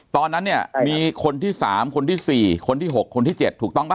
ตอนนั้นเนี่ยมีคนที่๓คนที่๔คนที่๖คนที่๗ถูกต้องป่